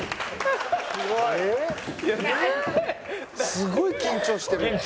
すごい緊張してるやん。